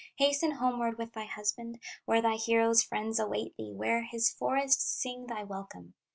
Hasten homeward with thy husband, Where thy hero's friends await thee, Where his forests sing thy welcome.